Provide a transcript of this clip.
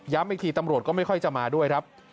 อีกทีตำรวจก็ไม่ค่อยจะมาด้วยครับ